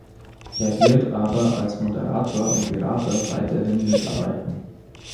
Er wird aber als Moderator und Berater weiterhin mitarbeiten.